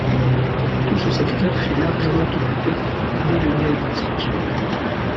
Tout ce secteur fut largement occupé dès le néolithique.